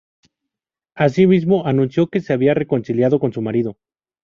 Asimismo, anunció que se había reconciliado con su marido.